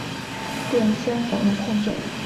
布伦森否认控罪。